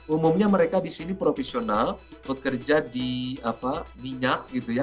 umumnya mereka di sini profesional bekerja di minyak gitu ya